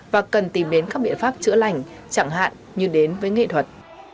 và cần tìm đến các biện pháp chữa lành chẳng hạn như đến với nghệ thuật